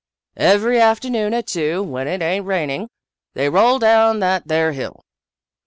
" Every afternoon at two, when it ain't raining, they roll down that there hill."